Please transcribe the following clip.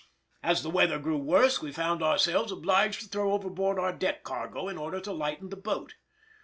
As the weather grew worse we found ourselves obliged to throw overboard our deck cargo in order to lighten the boat.